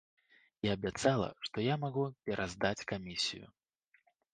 І абяцала, што я магу пераздаць камісію.